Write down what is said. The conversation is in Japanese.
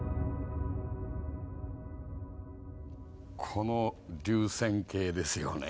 この流線型ですよね。